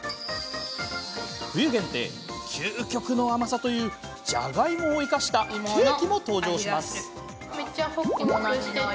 冬限定、究極の甘さというじゃがいもを生かしたケーキも登場します。